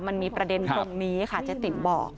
มันมีประเด็นตรงนี้ค่ะเจ๊ติ๋มบอก